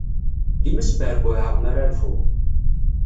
Dima sbeɛbuɛeɣ mi ara rfuɣ.